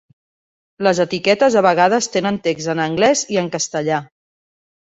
Les etiquetes a vegades tenen text en anglès i en castellà.